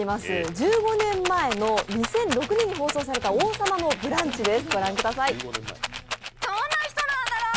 １５年前の２００６年に放送された「王様のブランチ」です。